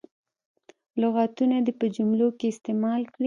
لغتونه دې په جملو کې استعمال کړي.